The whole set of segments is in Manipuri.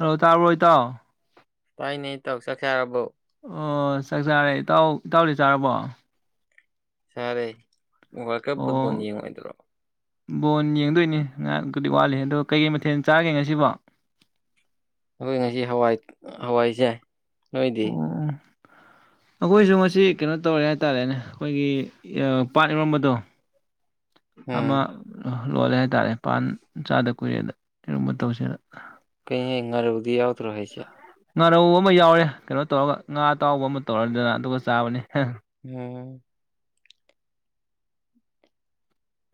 ꯑ ꯇꯥꯔ ꯑꯣꯏꯣꯏ ꯇꯥꯎ ꯇꯥꯏꯅꯦ ꯇꯧ ꯆꯠꯈꯦ ꯍꯥꯏꯔꯕꯣ ꯑꯣ ꯆꯥꯛ ꯆꯥꯔꯦ ꯏꯇꯥꯎ ꯏꯇꯥꯎꯗꯤ ꯆꯥꯔꯕꯣ ꯁꯥꯔꯦ ꯋꯥꯔꯜ ꯀꯞ ꯐꯨꯠꯕꯣꯜ ꯑꯣ ꯌꯦꯡꯉꯏꯗ꯭ꯔꯣ ꯕꯣꯟ ꯌꯦꯡꯗꯣꯏꯅꯤ ꯉꯥꯏꯍꯥꯛꯇꯨꯗꯤ ꯋꯥꯠꯂꯤ ꯑꯗꯣ ꯀꯩꯀꯩ ꯃꯊꯦꯜ ꯆꯥꯒꯦ ꯉꯁꯤꯕꯣ ꯑꯩꯈꯣꯏ ꯉꯁꯤ ꯍꯋꯥꯏ ꯍꯋꯥꯏꯁꯦ ꯑꯣꯝ ꯑꯩꯈꯣꯏꯁꯨ ꯃꯁꯤ ꯀꯩꯅꯣ ꯇꯧꯔꯦ ꯍꯥꯏꯇꯥꯔꯦꯅꯦ ꯑꯩꯈꯣꯏꯒꯤ ꯄꯥꯠ ꯌꯔꯝꯕꯗꯣ ꯑꯃ ꯎꯝ ꯂꯣꯜꯂꯦ ꯍꯥꯏꯇꯥꯔꯦ ꯄꯥꯟ ꯆꯥꯗ ꯀꯨꯏꯔꯦꯗ ꯀꯔꯤꯒꯨꯝꯕ ꯃꯇꯧꯁꯤꯗ ꯀ ꯏꯉꯔ ꯎꯗꯤ ꯌꯥꯎꯇꯔꯦꯁ ꯉꯥꯔꯧ ꯑꯃ ꯌꯥꯎꯔꯦ ꯀꯩꯅꯣ ꯇꯧꯔꯒ ꯉꯥ ꯑꯇꯥꯎꯕ ꯑꯃ ꯇꯧꯔꯅꯤꯗꯅ ꯑꯗꯨꯒ ꯆꯥꯕꯅꯦ ꯑꯣꯝ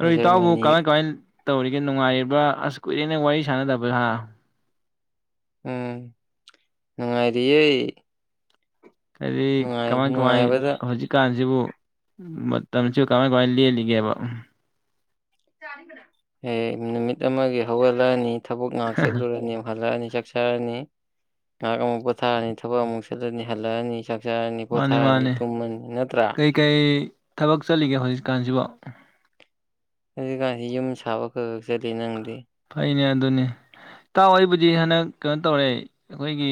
ꯔꯣ ꯏ ꯇꯥꯎꯕꯨ ꯖꯔꯃꯅꯤ ꯀꯃꯥꯏ ꯀꯃꯥꯏ ꯇꯧꯔꯤꯒꯦ ꯅꯨꯡꯉꯥꯏꯔꯤꯕ꯭ꯔꯥ ꯑꯁ ꯀꯨꯏꯔꯦꯅ ꯋꯥꯔꯤ ꯁꯥꯟꯅꯗꯕꯍꯥ ꯎꯝ ꯑꯔꯤ ꯍꯥꯏꯗꯤ ꯀꯃꯥꯏ ꯀꯃꯥꯏ ꯅꯨꯡꯉꯥꯏꯕꯗ ꯍꯧꯖꯤꯛꯀꯥꯟꯁꯤꯕꯨ ꯃꯝꯁꯨ ꯀꯃꯥꯏ ꯀꯃꯥꯏ ꯂꯜꯂꯤꯒꯦꯕ ꯑꯦ ꯅꯨꯃꯤꯠ ꯑꯃꯒꯤ ꯍꯧꯒꯠꯂꯛꯑꯅꯤ ꯊꯕꯛ ꯉꯥꯏꯍꯥꯛ ꯆꯠꯂꯨꯔꯅꯤ ꯌꯥꯝ ꯍꯜꯂꯛꯑꯅꯤ ꯆ ꯔꯅꯤ ꯉꯥꯏꯍꯥꯛ ꯑꯃꯨꯛ ꯄꯣꯊꯥꯔꯅꯤ ꯊꯕꯛ ꯑꯃꯨꯛ ꯆꯠꯂꯅꯤ ꯍꯜꯂꯛꯑꯅꯤ ꯆꯥꯔꯅꯤ ꯃꯥꯅꯤ ꯄꯣꯊꯥꯔꯅꯤ ꯃꯥꯅꯦ ꯇꯨꯝꯃꯅꯤ ꯅꯠꯇ꯭ꯔꯥ ꯀꯩꯀꯩ ꯊꯕꯛ ꯆꯠꯂꯤꯒꯦ ꯍꯧꯖꯤꯛꯀꯥꯟꯁꯤꯐꯥꯎ ꯍꯧꯖꯤꯛꯀꯥꯟꯁꯤ ꯌꯨꯝ ꯁꯥꯕꯒ ꯐꯩꯅꯦ ꯑꯗꯨꯅꯤ ꯇꯥꯎ ꯑꯩꯕꯨꯗꯤ ꯍꯟꯗꯛ ꯀꯩꯅꯣ ꯇꯧꯔꯦ ꯑꯩꯈꯣꯏꯒꯤ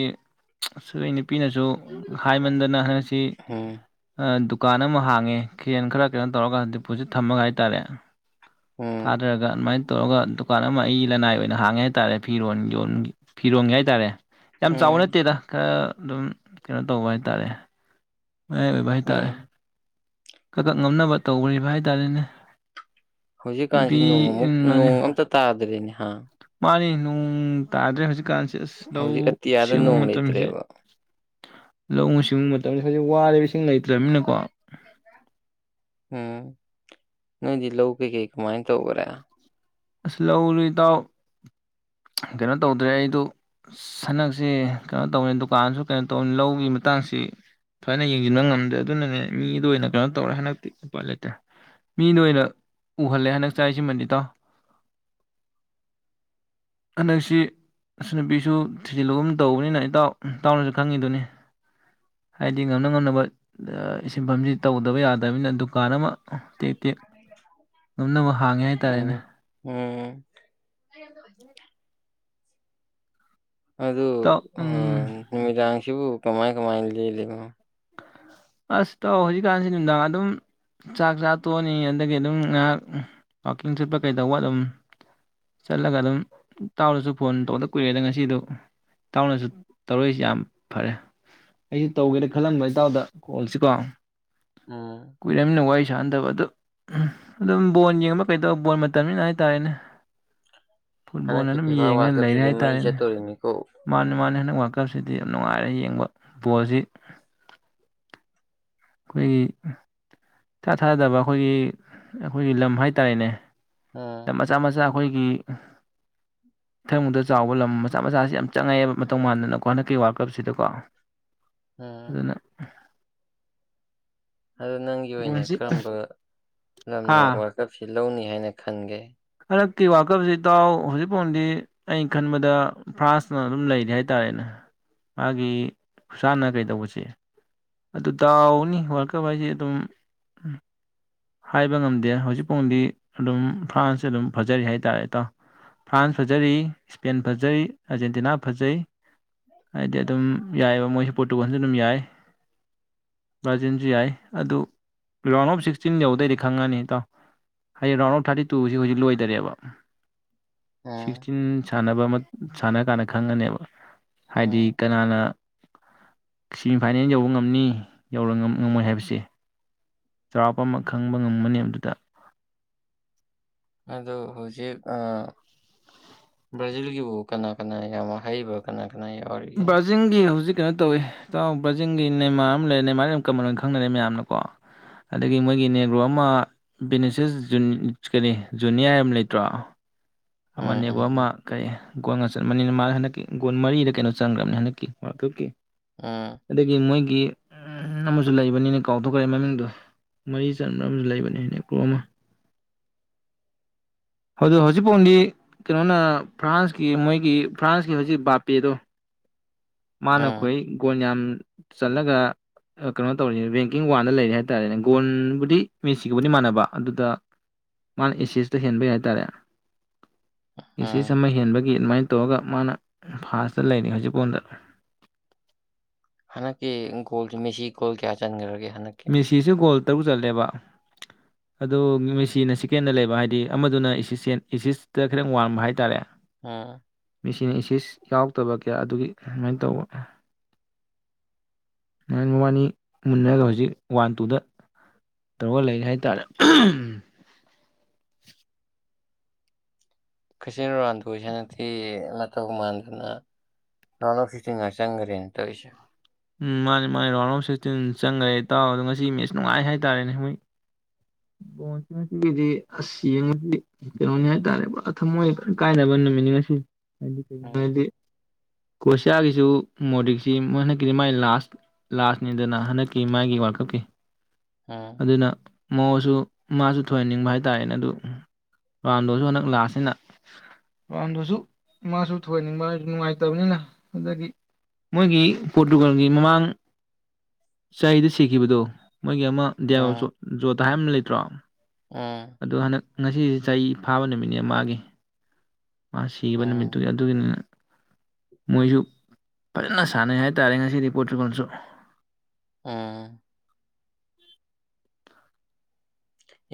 ꯁ ꯅꯨꯄꯤꯅꯁꯨ ꯍꯥꯏꯃꯟꯗꯅ ꯍꯟ ꯗꯨ ꯎꯝ ꯗꯨꯀꯥꯟ ꯑꯃ ꯍꯥꯡꯉꯦ ꯈꯦꯟ ꯈꯔ ꯀꯩꯅꯣ ꯇꯧꯔꯒ ꯗꯤꯄꯣꯖꯤꯠ ꯊꯝꯃꯒ ꯍꯥꯏꯇꯥꯔꯦ ꯎꯝ ꯊꯥꯗꯔꯒ ꯑꯗꯨꯃꯥꯏꯅ ꯇꯧꯔꯒ ꯗꯨꯀꯥꯟ ꯑꯃ ꯑꯩ ꯂꯅꯥꯏ ꯑꯣꯏꯅ ꯍꯥꯡꯉꯦ ꯍꯥꯏꯇꯥꯔꯦ ꯐꯤꯔꯣꯟ ꯌꯣꯟ ꯐꯤꯔꯣꯟꯒꯤ ꯍꯥꯏꯇꯥꯔꯦ ꯌꯥꯝ ꯆꯥꯎꯕ ꯎꯝ ꯅꯠꯇꯦꯗ ꯈꯔ ꯑꯗꯨꯝ ꯀꯩꯅꯣ ꯇꯧꯕ ꯍꯥꯏꯇꯥꯔꯦ ꯑꯚꯥꯏ ꯇꯥꯔꯦ ꯎꯝ ꯀꯀꯛ ꯉꯝꯅꯕ ꯇꯧꯈ꯭ꯔꯤꯕ ꯍꯥꯏ ꯇꯔꯦꯅꯦ ꯍꯧꯖꯤꯛꯀꯥꯟꯁꯤ ꯅꯣꯡꯃꯨꯛ ꯅꯣꯡ ꯑꯝꯇ ꯇꯥꯗ꯭ꯔꯦꯅꯦ ꯍꯥ ꯃꯥꯅꯤ ꯇꯥꯗ꯭ꯔꯦ ꯍꯧꯖꯤꯛꯀꯥꯟꯁꯦ ꯑ ꯍꯧꯖꯤꯛ ꯂꯧꯎ ꯑꯇꯤꯌꯥꯗ ꯁꯤꯡꯎ ꯅꯣꯡ ꯃꯇꯝꯁꯦ ꯂꯩꯇ꯭ꯔꯦꯕ ꯂꯧꯎ ꯁꯤꯡꯎꯕ ꯃꯇꯝꯗ ꯍꯧꯖꯤꯛ ꯋꯥꯔꯤꯕꯁꯤꯡ ꯂꯩꯇ꯭ꯔꯕꯅꯤꯅꯀꯣ ꯎꯝ ꯅꯣꯏꯗꯤ ꯂꯧ ꯀꯩꯀꯩ ꯀꯃꯥꯏꯅ ꯇꯧꯈ꯭ꯔꯦ ꯑꯁꯂꯝ ꯎ ꯇ ꯀꯩꯅꯣ ꯇꯧꯗ꯭ꯔꯦ ꯑꯩꯗꯨ ꯁꯅꯛꯁ ꯀꯩꯅꯣ ꯇꯧꯅꯤ ꯗꯨꯀꯥꯟꯁꯨ ꯀꯩꯅꯣ ꯇꯧꯅꯤ ꯂꯧꯒꯤ ꯃꯇꯝ ꯃꯇꯛꯆꯥꯡꯁꯤ ꯊꯣꯏꯅ ꯌꯦꯡꯁꯤꯟꯕ ꯉꯝꯗꯦ ꯑꯗꯨꯅꯅꯦ ꯃꯤꯗ ꯑꯣꯏꯅ ꯀꯩꯅꯣ ꯇꯧꯔꯦ ꯍꯟꯗꯛꯇꯤ ꯎꯄꯥ ꯂꯩꯇꯦ ꯃꯤ ꯅ ꯑꯣꯏꯅ ꯎꯍꯜꯂꯦ ꯍꯟꯗꯛ ꯆꯥꯏꯁꯤ ꯃꯟꯗꯤꯇꯥ ꯅꯁꯤ ꯑꯁꯨ ꯅꯨꯄꯤꯁꯨ ꯊꯤꯖꯤꯜꯂꯒꯨꯝ ꯇꯧꯕꯅꯤꯅ ꯏꯇꯥꯎ ꯏꯇꯥꯎꯅꯁꯨ ꯈꯪꯉꯤꯗꯨꯅꯤ ꯍꯥꯏꯗꯤ ꯉꯝꯅ ꯉꯝꯅꯕ ꯁꯤꯟꯐꯝꯁꯤ ꯇꯧꯗꯕ ꯌꯥꯗꯕꯅꯤꯅ ꯗꯨꯀꯥꯟ ꯑꯃ ꯇꯦꯛ ꯇꯦꯛ ꯉꯝꯅꯃꯛ ꯍꯥꯡꯉꯦ ꯎꯝ ꯍꯥꯏꯇꯥꯔꯦꯅꯦ ꯎꯝ ꯑꯗꯨ ꯏꯇꯥꯎ ꯎꯝ ꯅꯨꯃꯤꯗꯥꯡꯁꯤꯕꯨ ꯀꯃꯥꯏ ꯀꯃꯥꯏꯅ ꯂꯦꯜꯂꯤꯅꯣ ꯑꯁ ꯇꯧ ꯍꯧꯖꯤꯛꯀꯥꯟꯁꯤ ꯅꯨꯡꯗꯥꯡ ꯑꯗꯨꯝ ꯆꯥꯛ ꯆꯥ ꯇꯣꯛꯑꯅꯤ ꯑꯗꯒꯤ ꯑꯗꯨꯝ ꯉꯥꯏꯍꯥꯛ ꯋꯥꯀꯤꯡ ꯆꯠꯄ ꯀꯩꯗꯧꯕ ꯑꯗꯨꯝ ꯆꯠꯂꯒ ꯑꯗꯨꯝ ꯇꯥꯎꯔꯁꯨ ꯐꯣꯟ ꯇꯧꯕꯗ ꯀꯨꯏꯔꯦꯗ ꯉꯁꯤꯗꯨ ꯇꯥꯎꯅꯁꯨ ꯇꯧꯔꯛꯏꯁꯤ ꯌꯥꯝ ꯐꯔꯦ ꯑꯩꯁꯨ ꯇꯧꯒꯦꯗ ꯈꯜꯂꯝꯕ ꯏꯇꯥꯎꯗ ꯀꯣꯜꯁꯤ ꯀꯣ ꯎꯝ ꯀꯨꯏꯔꯃꯤꯅ ꯋꯥꯏ ꯄꯩꯁꯥ ꯍꯟꯊꯕ ꯑꯗꯨ ꯑꯗꯨꯝ ꯕꯣꯜ ꯌꯦꯡꯕ ꯀꯩꯗꯧꯕ ꯕꯣꯜ ꯃꯇꯝꯅꯤꯅ ꯍꯥꯏꯇꯥꯔꯦꯅꯦ ꯐꯨꯠꯕꯣꯜꯅ ꯍꯟꯗꯛꯀꯤ ꯑꯗꯨꯝ ꯐꯤꯐꯥ ꯋꯥꯔꯜ ꯌꯦꯡꯉꯒ ꯂꯩꯔꯦ ꯀꯞꯁꯤꯗꯤ ꯃꯩ ꯍꯥꯏꯇꯥꯔꯦꯅꯦ ꯆꯠꯇꯣꯔꯤꯕꯅꯤꯀꯣ ꯃꯥꯅꯦ ꯃꯥꯅꯦ ꯍꯟꯗꯛ ꯀꯞꯁꯤꯗꯤ ꯌꯥꯝ ꯅꯨꯡꯉꯥꯏꯔꯦ ꯌꯦꯡꯕ ꯕꯣꯜꯁꯤ ꯑꯩꯈꯣꯏꯒꯤ ꯊꯥ ꯊꯥꯗꯕ ꯑꯩꯈꯣꯏꯒꯤ ꯑꯩꯈꯣꯏꯒꯤ ꯂꯝ ꯍꯥꯏꯇꯥꯔꯦꯅꯦ ꯎꯝ ꯃꯆꯥ ꯃꯆꯥ ꯑꯩꯈꯣꯏꯒꯤ ꯏꯊꯪꯕꯗ ꯆꯥꯎꯕ ꯂꯝ ꯃꯆꯥ ꯃꯆꯥꯁꯤ ꯌꯥꯝ ꯆꯪꯉꯛꯑꯦꯕ ꯃꯇꯧ ꯃꯥꯟꯗꯅꯀꯣ ꯍꯟꯗꯛꯀꯤ ꯋꯥꯔꯀꯞꯁꯤꯗꯀꯣ ꯎꯝ ꯑꯗꯨꯅ ꯑꯗꯣ ꯅꯪꯒꯤ ꯑꯣꯏꯅ ꯕꯣꯜꯁꯤ ꯀꯔꯝꯕ ꯂꯝꯅ ꯍꯥ ꯋꯥꯔꯀꯞꯁꯤ ꯂꯧꯅꯤ ꯍꯥꯏꯅ ꯈꯟꯒꯦ ꯍꯟꯗꯛꯀꯤ ꯋꯥꯔꯜꯀꯞꯁꯤ ꯏꯇꯥꯎ ꯍꯧꯖꯤꯛꯐꯥꯎꯗꯤ ꯑꯩꯅ ꯈꯟꯕꯗ ꯐ꯭ꯔꯥꯟꯁꯅ ꯑꯗꯨꯝ ꯂꯩꯔꯤ ꯍꯥꯏꯇꯥꯔꯦ ꯥꯏꯅ ꯃꯥꯒꯤ ꯈꯨꯁꯥꯅ ꯀꯩꯗꯧꯕꯁꯦ ꯑꯗꯨ ꯗꯥꯎꯅꯤ ꯋꯥꯜꯀꯞ ꯍꯥꯏꯁꯦ ꯑꯗꯨꯝ ꯍꯥꯏꯕ ꯉꯝꯗꯦ ꯍꯧꯖꯤꯛꯐꯥꯎꯗꯤ ꯑꯗꯨꯝ ꯐ꯭ꯔꯥꯟꯁꯁ ꯑꯗꯨꯝ ꯐꯖꯔꯤ ꯍꯥꯏꯇꯥꯥꯔꯦꯇꯥꯎ ꯐ꯭ꯔꯥꯟꯁ ꯐꯖꯔꯤ ꯏꯁꯄꯦꯟ ꯐꯖꯔꯤ ꯑꯥꯔꯖꯦꯟꯇꯤꯅꯥ ꯐꯖꯩ ꯍꯥꯏꯗꯤ ꯑꯗꯨꯝ ꯌꯥꯏꯑꯕ ꯃꯣꯏꯁꯨ ꯄꯣꯠꯇꯨ ꯈꯟꯁꯨ ꯑꯗꯨꯝ ꯌꯥꯏ ꯚꯥꯔꯖꯤꯟꯁꯨ ꯌꯥꯏ ꯑꯗꯨ ꯔ ꯔꯥꯎꯟ ꯑꯣꯐ ꯁꯤꯛꯁ ꯀꯛꯆꯤꯟ ꯌꯧꯗꯩꯗꯤ ꯈꯪꯉꯅꯤꯇꯥꯎ ꯍꯥꯏꯗꯤ ꯔꯥꯎꯟ ꯑꯐ ꯊꯥꯔꯇꯤ ꯇꯨꯁꯤ ꯍꯧꯖꯤꯛ ꯂꯣꯏꯗꯔꯦꯕ ꯎꯝ ꯁꯤꯛꯁꯇꯤꯟ ꯁꯥꯟꯅꯕ ꯑꯃ ꯁꯥꯟꯅ ꯀꯥꯟꯗ ꯈꯪꯉꯅꯦꯕ ꯍꯥꯏꯗꯤ ꯎꯝ ꯀꯅꯥꯅ ꯁꯦꯃꯤꯐꯥꯏꯅꯦꯜ ꯌꯧꯕ ꯉꯝꯅꯤ ꯌ ꯉꯝꯃꯣꯏ ꯍꯥꯏꯕꯁꯦ ꯆꯥꯎꯔꯥꯛꯄ ꯑꯃ ꯈꯪꯕ ꯉꯝꯃꯅꯤ ꯑꯗꯨꯗ ꯑ ꯍꯧꯖꯤꯛ ꯕ꯭ꯔꯥꯖꯤꯜꯒꯤꯕꯨ ꯀꯅꯥ ꯀꯅꯥ ꯌꯥꯝ ꯍꯩꯕ ꯀꯅꯥ ꯀ ꯕꯖꯤꯡꯒꯤ ꯍꯧꯖꯤꯛ ꯀꯩꯅꯣ ꯇꯧꯋꯤ ꯆꯥꯎꯥꯎ ꯖꯤꯡꯒꯤ ꯅꯃꯥꯔ ꯑꯃ ꯂꯩꯔꯦ ꯅꯃꯥꯔ ꯌꯥꯝ ꯀꯃꯟ ꯑꯣꯏꯅ ꯈꯪꯅꯔꯦ ꯃꯌꯥꯝꯅꯀꯣ ꯑꯗꯒꯤ ꯃꯣꯏꯒꯤ ꯅꯦꯒ꯭ꯔꯣ ꯑꯃ ꯕꯤꯅꯤꯁꯦꯁ ꯀꯔꯤ ꯖꯨꯅꯤꯌꯥꯔ ꯑꯃ ꯂꯩꯇ꯭ꯔꯣ ꯎꯝ ꯎꯝ ꯑꯃꯅꯦꯦꯛꯕ ꯎꯝ ꯑꯃ ꯀꯩ ꯒꯣꯜ ꯉ ꯆꯟꯕꯅꯤꯅ ꯃꯥ ꯍꯟꯗꯛꯀꯤ ꯒꯣ ꯃꯔꯤꯗ ꯀꯩꯅꯣ ꯆꯪꯈ꯭ꯔꯕꯅꯤ ꯍꯟꯗꯛꯀꯤ ꯎꯝ ꯑꯗꯒꯤ ꯃꯣꯏꯒꯤ ꯎ ꯑꯃꯁꯨ ꯂꯩꯕꯅꯤꯅ ꯀꯥꯎꯊꯣꯛꯈ꯭ꯔꯦ ꯃꯃꯤꯡꯗꯣ ꯃꯔꯤ ꯆꯕ ꯑꯃꯁꯨ ꯂꯩꯕꯅꯦ ꯑꯃ ꯐꯨꯠꯕꯣꯜꯗꯤ ꯀꯩꯅꯣꯅ ꯐ꯭ꯔꯥꯟꯁꯀꯤ ꯃꯣꯏꯒꯤ ꯐ꯭ꯔꯥꯟꯁꯀꯤ ꯍꯧꯖꯤꯛ ꯕꯥꯄꯦꯗꯣ ꯃꯥꯅ ꯎꯝ ꯈꯈꯣꯏ ꯒꯣꯜ ꯌꯥꯝ ꯆꯜꯂꯒ ꯀꯩꯅꯣ ꯇꯧꯔꯤ ꯕꯦꯡꯀꯤꯡ ꯋꯥꯟꯗ ꯂꯩꯔꯦ ꯍꯥꯏ ꯇꯥꯔꯦꯅꯦ ꯒꯣꯣꯟꯕꯨꯗꯤ ꯃꯤꯦꯁꯤꯒꯕꯨꯗꯤ ꯃꯥꯟꯅꯕ ꯑꯗꯨꯗ ꯃꯥꯅ ꯑꯦꯁꯤꯁꯇ ꯍꯦꯟꯕꯩ ꯍꯥꯏꯇꯥꯔꯦ ꯑꯦꯁꯤꯁ ꯎꯝ ꯑꯃ ꯍꯦꯟꯕꯒꯤ ꯑꯗꯨꯃꯥꯏꯅ ꯍꯥꯇꯣꯛꯑꯒ ꯃꯥꯅ ꯐꯥꯁꯇ ꯂꯩꯔꯤ ꯍꯧꯖꯤꯛꯐꯥꯎꯗ ꯍꯅꯀꯤꯒꯣꯜꯁꯦ ꯃꯦꯁꯤ ꯀꯣꯜ ꯀꯌꯥ ꯆꯟꯈ꯭ꯔꯒꯦ ꯍꯟꯗꯛꯀꯤ ꯃꯦꯁꯤꯁꯨ ꯒꯣꯜ ꯇꯔꯨꯛ ꯆꯠꯂꯦꯕ ꯑꯗꯣ ꯃꯦꯆꯤꯅ ꯆꯀꯦꯟꯗ ꯂꯩꯕ ꯍꯥꯏꯗꯤ ꯑꯃꯗꯨꯅ ꯏꯁꯤꯁꯇ ꯈꯤꯇꯪ ꯋꯥꯡꯕ ꯍꯥꯏꯇꯥꯔꯦ ꯑꯝ ꯃꯤꯆꯅ ꯏꯆ ꯌꯥꯎꯗꯕ ꯀꯌꯥ ꯑꯗꯨꯒꯤ ꯑꯗꯨꯃꯥꯏꯅ ꯇꯧꯕ ꯅꯔ ꯃꯕꯥꯅꯤ ꯃꯟꯅꯔꯒ ꯍꯧꯖꯤ ꯋꯥꯟ ꯇꯨꯗ ꯇꯧꯔꯒ ꯂꯩꯔꯤ ꯍꯥꯏꯇꯥꯔꯦ [unintelligible] ꯀꯩꯆꯤꯟ ꯔꯥꯟꯗꯁꯤꯅꯤ ꯃꯇꯧ ꯃꯥꯟꯗꯨꯅ ꯔꯅ ꯐꯇ ꯆꯪꯒꯔꯤꯅꯤ ꯇꯧꯁ ꯎꯝ ꯃꯥꯅꯦ ꯃꯥꯅꯤ ꯔꯥꯎꯟ ꯑꯣꯐ ꯁꯤꯛꯁꯇꯤꯟ ꯆꯪꯈ꯭ꯔꯦ ꯏꯇꯥꯎ ꯑꯗꯣ ꯉꯁꯤ ꯃꯦꯠꯁ ꯅꯨꯡꯉꯥꯏ ꯍꯥꯏꯇꯥꯔꯦꯅꯦ ꯃꯣꯏ ꯕꯣꯟꯁꯤꯡ ꯑꯁꯤꯒꯤꯗꯤ ꯑꯁ ꯌꯦꯡꯉꯗꯤ ꯀꯩꯅꯣꯅꯤ ꯍꯥꯏꯇꯥꯔꯦ ꯊꯝꯃꯣꯏꯗ ꯀꯥꯏꯅꯕ ꯟꯅꯉꯁꯤ ꯍꯥꯏꯗꯤ ꯎꯝ ꯀꯩꯒꯤꯗꯤ ꯀꯣꯁꯤꯌꯥꯒꯤꯁꯨ ꯃꯣꯗꯤꯛꯁꯤ ꯃꯣꯏ ꯍ ꯒꯤꯗꯤ ꯃꯥꯏ ꯂꯥꯁ ꯂꯥꯁꯅꯦꯗꯅ ꯍꯟꯗꯛꯀꯤ ꯃꯥꯒꯤ ꯋꯥꯔꯜ ꯀꯞꯀꯤ ꯎꯝ ꯑꯗꯨꯅ ꯃꯑꯣꯁꯨ ꯃꯥꯁꯨ ꯊꯣꯏꯍꯟꯅꯤꯡꯕ ꯍꯥꯏꯇꯥꯥꯔꯦꯅꯦ ꯑꯗꯨ ꯔꯥꯟꯗꯣꯁꯨ ꯍꯟꯗꯛ ꯂꯥꯁꯁꯤꯅ ꯔꯥꯎꯝꯗꯨꯁꯨ ꯃꯥꯁꯨ ꯊꯨꯍꯟꯅꯤꯡꯕ ꯅꯨꯡꯉꯥꯏꯇꯕꯅꯤꯅ ꯑꯗꯒꯤ ꯃꯣꯏꯒꯤ ꯄꯣꯔꯇꯨꯒꯜꯒꯤ ꯃꯃꯥꯡ ꯆꯍꯤꯗ ꯁꯤꯈꯤꯕꯗꯣ ꯃꯣꯏꯒꯤ ꯑꯃ ꯗꯤꯌꯥ ꯎꯝ ꯖꯣꯠꯇ ꯍꯥꯏ ꯑꯃ ꯂꯩꯇ꯭ꯔꯣ ꯎꯝ ꯑ ꯍꯟꯗꯛ ꯉꯁꯤꯁ ꯆꯍꯤ ꯐꯥꯕ ꯅꯨꯃꯤꯠꯅꯦ ꯃꯥꯒꯤ ꯃꯥ ꯁꯤꯈꯤꯕ ꯎꯝ ꯅꯨꯃꯤꯠꯇꯨꯒꯤ ꯑꯗꯨꯒꯤꯅꯤꯅ ꯃꯣꯏꯁꯨ ꯐꯖꯅ ꯁꯥꯟꯅꯩ ꯍꯥꯏꯇꯥꯔꯦ ꯉꯁꯤ ꯔꯤ ꯄꯣꯠꯁꯤꯒꯁꯨ ꯑꯥ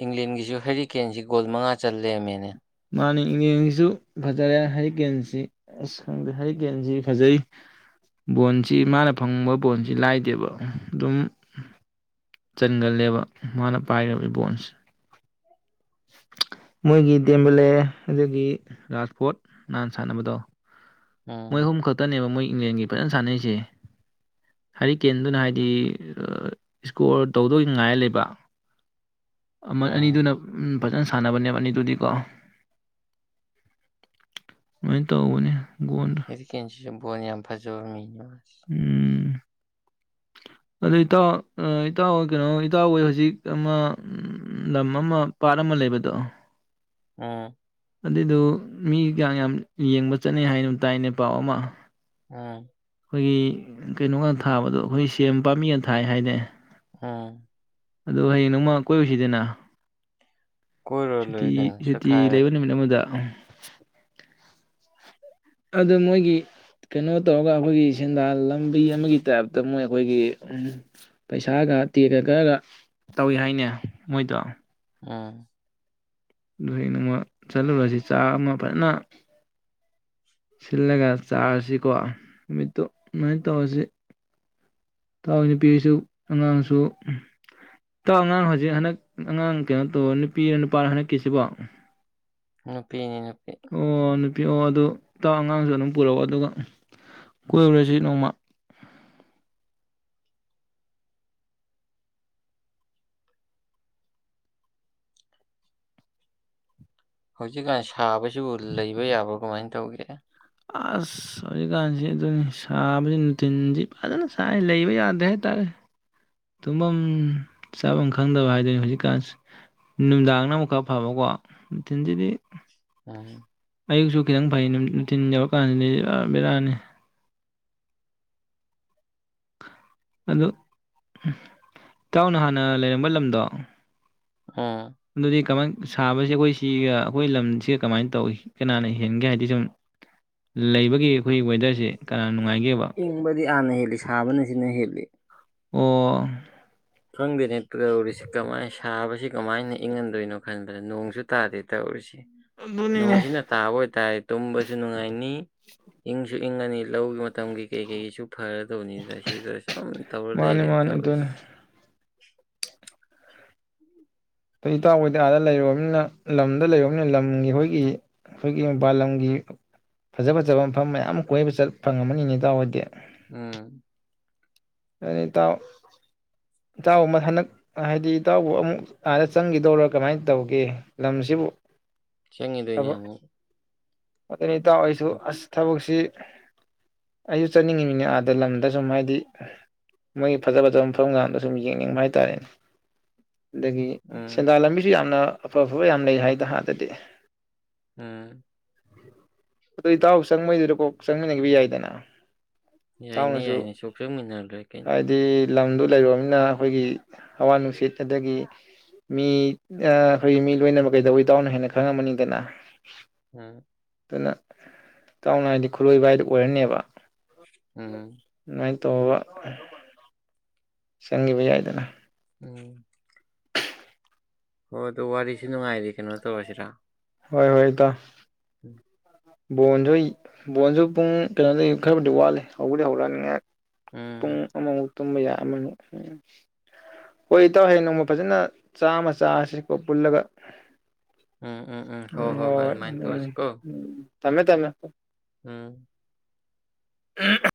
ꯏꯪꯂꯦꯟꯒꯤꯁꯨ ꯍꯦꯔꯤ ꯀꯦꯟꯁꯤ ꯒꯣꯜ ꯃꯉꯥ ꯆꯜꯂꯔꯝꯃꯦꯅꯦ ꯃꯥꯅ ꯏꯁꯤꯁꯨ ꯐꯖꯔꯦ ꯍꯔꯤ ꯀꯦꯟꯁꯤ ꯑꯁ ꯈꯪꯗꯦ ꯍꯔꯤ ꯀꯦꯟꯁꯤ ꯐꯖꯩ ꯕꯣꯟꯁꯤ ꯃꯥꯅ ꯐꯪꯕ ꯕꯣꯟꯁꯤ ꯂꯥꯏꯗꯦꯕ ꯑꯗꯨꯝ ꯆꯟꯒꯜꯂꯦꯕ ꯃꯥꯅ ꯄꯥꯏꯈ꯭ꯔꯕ ꯏꯕꯣꯟꯁꯦ [inaudible] ꯃꯣꯏꯒꯤ ꯗꯦꯝꯕꯂꯦ ꯑꯗꯨꯗꯒꯤ ꯔꯥꯖꯄꯣꯠ ꯅꯍꯥꯟ ꯁꯥꯟꯅꯕꯗꯣ ꯃꯣꯏ ꯎꯝ ꯑꯍꯨꯝ ꯈꯛꯇꯅꯦꯕ ꯃꯣꯏ ꯏꯪꯂꯦꯟꯒꯤ ꯐꯖꯅ ꯁꯥꯟꯅꯩꯁꯦ ꯍꯥꯏꯔꯤꯀꯦꯟꯗꯨꯅ ꯍꯥꯏꯗꯤ ꯏꯁꯀꯣꯔ ꯇꯧꯗꯣꯏ ꯉꯥꯏꯔ ꯂꯩꯕ ꯎꯝ ꯑꯅꯤꯗꯨꯅ ꯎꯝ ꯐꯖꯅ ꯁꯥꯟꯅꯕꯅꯦꯕꯅꯤ ꯑꯗꯨꯗꯤꯀꯣ ꯂꯣꯏꯅ ꯇꯅꯤ ꯍꯗꯤ ꯀꯁꯤꯁꯨ ꯕꯣꯅꯤ ꯌꯥꯝ ꯐꯖꯕ ꯃꯤ ꯎꯝ [inaudible] ꯑꯗꯨ ꯏꯇꯥꯎ ꯏꯇꯥꯎ ꯀꯩꯅꯣ ꯏꯇꯥꯎꯣꯏ ꯍꯧꯖꯤꯛ ꯑꯃ ꯂꯝ ꯑꯃ ꯄꯥꯠ ꯑꯃ ꯑꯃ ꯂꯩꯕꯗꯣ ꯎꯝ ꯑꯗꯨꯏꯗꯨ ꯃꯤ ꯌꯥꯝ ꯌꯦꯡꯕ ꯆꯠꯅꯩ ꯍꯥꯏꯅ ꯇꯥꯏꯅꯦ ꯄꯥꯎ ꯑꯃ ꯎꯝ ꯑꯩꯈꯣꯏꯒꯤ ꯀꯩꯅꯣꯒꯥ ꯊꯥꯕꯗꯣ ꯑꯩꯈꯣꯏ ꯁꯦꯝ ꯄꯥꯝꯕꯤꯅ ꯊꯥꯏ ꯍꯥꯏꯗꯤ ꯑꯝ ꯑꯗ ꯍꯌꯦꯡ ꯅꯣꯡꯃ ꯀꯣꯏꯨꯁꯤꯗꯅ ꯀꯣꯏꯔꯨꯔ ꯁꯨꯇꯤ ꯂꯣꯏꯔꯦ ꯀꯩꯅꯣ ꯁꯨꯇꯤ ꯂꯩꯕ ꯆꯠꯈꯥꯏꯔꯒ ꯅꯨꯃꯤꯠ ꯑꯃꯗ ꯑꯗ ꯃꯣꯏꯒꯤ ꯀꯩꯅꯣ ꯇꯧꯔꯒ ꯑꯩꯈꯣꯏꯒꯤ ꯁꯦꯟꯗꯥꯟ ꯂꯝꯕꯤ ꯑꯃꯒꯤ ꯇꯥꯏꯞꯇ ꯃꯣꯏ ꯑꯩꯈꯣꯏꯒꯤ ꯎ ꯄꯩꯁꯥꯒ ꯇꯦꯛꯒ ꯈꯒ ꯇꯧꯏ ꯍꯥꯏꯅꯦ ꯃꯣꯏꯗꯣ ꯎꯝ ꯑꯗꯨꯩꯅꯃ ꯆꯠꯂꯨꯔꯁꯤ ꯆꯥ ꯑꯃ ꯐꯖꯅ ꯁꯤꯜꯂꯒ ꯆꯥꯔꯁꯤꯀꯣ ꯅꯨꯃꯤꯠꯇꯨ ꯑꯗꯨꯃꯥꯏꯅ ꯇꯧꯔꯁꯤ ꯇꯥ ꯄꯤꯁꯨ ꯑꯥꯡꯁꯨ ꯏꯇꯥꯎ ꯑꯉꯥꯡ ꯍꯧꯖꯤꯛ ꯍꯟꯗꯛ ꯑꯉꯥꯡ ꯀꯩꯅꯣ ꯇꯧꯕ ꯅꯨꯄꯤꯔ ꯅꯨꯄꯥꯅ ꯍꯟꯗꯛꯀꯤꯁꯤꯕꯣ ꯅꯨꯄꯤꯅꯤ ꯅꯨꯄꯤ ꯑꯣꯅꯤ ꯄꯤꯛꯑꯣ ꯑꯗꯨ ꯇꯥ ꯑꯉꯥꯡꯁꯨ ꯑꯗꯨꯝ ꯄꯨꯔꯛꯑꯣ ꯑꯗꯨꯒ ꯀꯣꯏꯔꯨꯔꯁꯤ ꯅꯣꯡꯃ ꯍꯧꯖꯤꯛꯀꯥꯟ ꯁꯥꯕꯁꯤꯕꯨ ꯂꯩꯕ ꯌꯥꯕ꯭ꯔꯣ ꯀꯃꯥꯏꯅ ꯇꯧꯒꯦ ꯑꯁ ꯍꯧꯖꯤꯛꯀꯥꯟꯁꯤ ꯑꯗꯨꯅꯤ ꯁꯥꯕꯁꯤ ꯅꯨꯡꯊꯤꯟꯁꯤ ꯐꯖꯅ ꯁ ꯂꯩꯕ ꯌꯥꯗꯦ ꯍꯥꯏꯇꯥꯥꯔꯦ ꯇꯨꯝꯐꯝ ꯆꯥꯐꯝ ꯈꯪꯗꯕ ꯍꯥꯏꯗꯣꯏꯅꯤ ꯍꯧꯖꯤꯛꯀꯥꯟ ꯅꯨꯅꯨꯡꯃꯤꯗꯥꯡꯅ ꯑꯃꯨꯛꯔ ꯐꯕꯀꯣ ꯅꯨꯡꯊꯤꯟꯁꯤꯗꯤ ꯎꯝ ꯑꯌꯨꯛꯁꯨ ꯈꯤꯇꯪ ꯐꯩ ꯅꯨꯡꯊꯤꯟ ꯌꯧꯔꯀꯥꯟꯁꯤꯗꯤ ꯕꯤꯔꯥꯅꯤ ꯑꯗꯨ ꯏꯇꯥꯎꯅ ꯍꯥꯟꯅ ꯂꯩꯔꯝꯕ ꯂꯝꯗꯣ ꯑꯥ ꯑꯗꯨꯗꯤ ꯀꯃꯥꯏ ꯁꯥꯕꯁꯤ ꯑꯩꯈꯣꯏ ꯁꯤꯒ ꯑꯩꯈꯣꯏ ꯂꯝꯁꯤꯒ ꯀꯃꯥꯏꯅ ꯇꯧꯏ ꯀꯅꯥꯅ ꯍꯦꯟꯒꯦ ꯍꯥꯏꯕꯗꯤ ꯁꯨꯝ ꯂꯩꯕꯒꯤ ꯑꯩꯈꯣꯏ ꯋꯦꯗꯔꯁꯦ ꯀꯅꯥ ꯅꯨꯡꯉꯥꯏꯒꯦꯕ ꯏꯪꯕꯗꯤ ꯍꯥꯟꯅ ꯍꯦꯜꯂꯤ ꯁꯥꯕꯅ ꯁꯤꯅ ꯍꯦꯜꯂꯤ ꯑꯣ ꯍꯪꯗꯅꯦꯠꯇ ꯑꯣꯔꯤꯁꯤ ꯀ ꯃꯥꯏ ꯁꯥ ꯀꯃꯥꯏꯅ ꯏꯪꯍꯟꯗꯣꯏꯅꯣ ꯈꯟꯕꯗ ꯅꯣꯡꯁꯨ ꯇꯥꯗꯦ ꯇꯧꯔꯤꯁꯤꯦ ꯑꯗꯨꯅꯤꯅꯦ ꯅꯣꯡꯁꯤꯅ ꯇꯥꯕ ꯑꯣꯏꯇꯥꯔ ꯇꯨꯝꯕꯁꯨ ꯅꯨꯡꯉꯥꯏꯅꯤ ꯏꯪꯁꯨ ꯏꯪꯉꯅꯤ ꯂꯧꯒꯤ ꯃꯇꯝꯒꯤ ꯀꯩ ꯀꯩꯁꯨ ꯐꯥꯏꯔ ꯇꯧꯅꯤꯅ ꯁꯤꯗ ꯁꯨꯝ ꯇꯧꯔ ꯃꯥꯅꯤ ꯂꯩꯔꯦꯅ ꯃꯥꯅꯤ ꯑꯗꯨꯅꯤ ꯇꯧꯔꯤꯁ ꯑ ꯏꯇꯥꯎꯈꯇꯥ ꯑꯥꯗ ꯂꯩꯔꯅꯤꯅ ꯂꯝꯗ ꯂꯩꯔꯅꯤꯅ ꯂꯝꯒꯤ ꯑꯩꯈꯣꯏꯒꯤ ꯑꯩꯈꯣꯏꯒꯤ ꯃꯄꯜ ꯂꯝꯒꯤ ꯐꯖ ꯐꯖꯕ ꯃꯐꯝ ꯃꯌꯥꯝ ꯀꯣꯏꯕ ꯆꯠ ꯐꯪ ꯑꯃꯅꯤꯅꯦꯇꯎ ꯑꯣꯏꯏꯗꯤ ꯎꯝ ꯑꯅꯤ ꯇ ꯏꯇꯥꯎꯕ ꯑꯃ ꯍꯟꯗꯛ ꯍꯥꯏꯗꯤ ꯏꯇꯥꯎꯕ ꯑꯃꯨꯛ ꯑꯗ ꯆꯪꯈꯤꯗꯧꯔ ꯀꯃꯥꯏꯅ ꯇꯧꯒꯦ ꯂꯝꯁꯤꯕꯨ ꯆꯪꯉꯤꯗꯣꯏꯅꯤ ꯑꯃꯨꯛ ꯀꯔꯤꯇꯥꯥꯔꯁꯨ ꯑꯁ ꯊꯕꯛꯁꯤ ꯑꯩꯁꯨ ꯆꯠꯅꯤꯡꯉꯤꯃꯤꯅꯦ ꯑꯥꯗ ꯂꯝꯗ ꯁꯨꯝ ꯍꯥꯏꯗꯤ ꯃꯣꯏꯒꯤ ꯐꯖ ꯐꯖꯕ ꯃꯐꯝ ꯀꯗ ꯁꯨꯝ ꯌꯦꯡꯅꯤꯡꯕ ꯍꯥꯏꯇꯥꯔꯦꯅꯦ ꯑꯗꯒꯤ ꯎꯝ ꯁꯦꯟꯗꯥꯟ ꯂꯝꯕꯤꯁꯨ ꯌꯥꯝꯅ ꯑꯐ ꯑꯐꯕ ꯌꯥꯝ ꯂꯩ ꯍꯥꯏꯗ ꯍꯥꯟꯗꯗꯤ ꯑꯝ ꯇꯥꯎ ꯆꯪꯗꯗ ꯀꯣ ꯆꯪ ꯌꯥꯏꯗꯅ ꯌꯥꯏꯅꯤ ꯏꯇꯥꯎꯅꯁꯨ ꯌꯥꯏꯅꯤ ꯁꯨꯡ ꯆꯃꯤꯟꯅꯔ꯭ꯔꯦ ꯍꯥꯏꯗꯤ ꯂꯝꯗꯨ ꯂꯩꯔꯨꯅꯤꯅ ꯑꯩꯈꯣꯏꯒꯤ ꯍꯋꯥ ꯅꯨꯡꯁꯤꯠ ꯑꯗꯒꯤ ꯃꯤ ꯑꯩꯈꯣꯏꯒꯤ ꯃꯤ ꯂꯣꯏꯅꯕ ꯀꯩꯗꯧꯕ ꯏꯗꯎꯅꯣ ꯍꯦꯟꯅ ꯈꯪꯉꯝꯃꯅꯤꯗꯅ ꯎꯝ ꯑꯗꯨꯅ ꯆꯥꯎꯅ ꯍꯥꯏꯗꯤ ꯈꯨꯠꯂꯣꯏꯕ ꯍꯥꯏꯗꯨ ꯑꯣꯏꯔꯅꯦꯕ ꯎꯝ ꯇꯣ ꯁꯤ ꯖꯥꯏꯗꯅ ꯎꯝ ꯍꯣꯏ ꯑꯗꯨ ꯋꯥꯔꯤꯁꯨ ꯅꯨꯡꯉꯥꯏꯔꯤ ꯀꯩꯅꯣ ꯇꯧꯔꯁꯤꯔꯥ ꯍꯣꯏ ꯍꯣꯏ ꯇ ꯎꯝ ꯕꯣꯟꯁꯨ ꯕꯣꯟꯁꯨ ꯄꯨꯡ ꯀꯩꯅꯣꯗꯤ ꯈꯔꯕꯨꯗꯤ ꯋꯥꯠꯂꯤ ꯍꯧꯕꯗꯤ ꯍꯧꯔꯛꯑꯅꯤꯉꯥꯏꯍꯥꯛ ꯎꯝ ꯄꯨꯡ ꯑꯃꯃꯨ ꯇꯨꯝꯕ ꯌꯥ ꯑꯃꯃ ꯑꯩꯏ ꯏꯇꯥꯎ ꯍꯌꯦ ꯅꯣꯡꯃ ꯐꯖꯅ ꯆꯥꯃ ꯆꯥꯁꯤꯀꯣ ꯄꯨꯜꯂꯒ ꯎꯝ ꯎꯝ ꯎꯝ ꯎ ꯍꯣꯏ ꯍꯣꯏ ꯍ ꯍꯣꯏ ꯑꯗꯨꯃꯥꯏꯅ ꯎꯝ ꯇꯃꯦ ꯇꯃꯦ ꯑꯝ ꯎꯝ